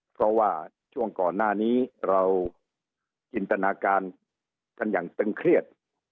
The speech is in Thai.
เพราะว่าช่วงก่อนหน้านี้เราจินตนาการกันอย่างตึงเครียด